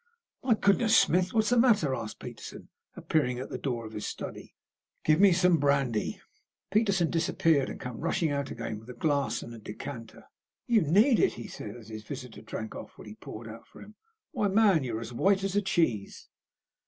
"My goodness, Smith, what's the matter?" asked Peterson, appearing at the door of his study. "Give me some brandy!" Peterson disappeared, and came rushing out again with a glass and a decanter. "You need it," he said, as his visitor drank off what he poured out for him. "Why, man, you are as white as a cheese."